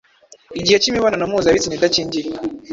igihe k’imibonano mpuzabitsina idakingiye.